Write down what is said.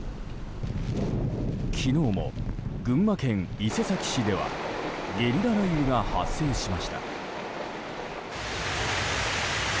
昨日も群馬県伊勢崎市ではゲリラ雷雨が発生しました。